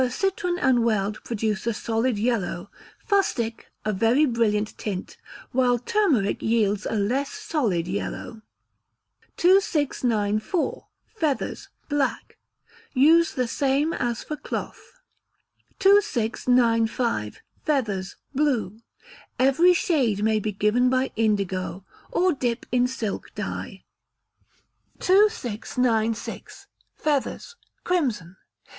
Quercitron and weld produce a solid yellow; fustic a very brilliant tint; while turmeric yields a less solid yellow. 2694. Feathers (Black). Use the same as for cloth. 2695. Feathers (Blue). Every shade may be given by indigo or dip in silk dye. 2696. Feathers (Crimson).